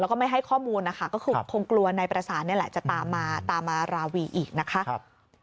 แล้วก็ไม่ให้ข้อมูลนะคะก็คงกลัวนายประสานจะตามมาราวีอีกนะคะ